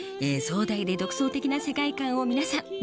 壮大で独創的な世界観を皆さん